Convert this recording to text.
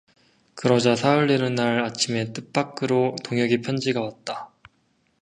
그러자 사흘 되는 날 아침에 뜻밖으로 동혁의 편지가 왔다.